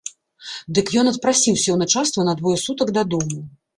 Дык ён адпрасіўся ў начальства на двое сутак дадому.